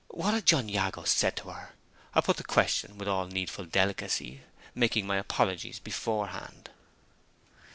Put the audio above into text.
What had John Jago said to her? I put the question with all needful delicacy, making my apologies beforehand.